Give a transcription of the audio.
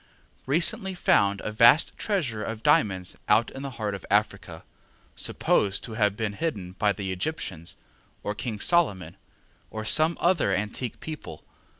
recently found a vast treasure of diamonds out in the heart of Africa, supposed to have been hidden by the Egyptians, or King Solomon, or some other antique people.